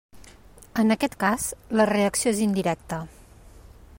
En aquest cas la reacció és indirecta.